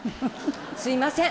すいません。